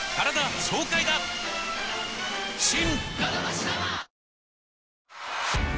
新！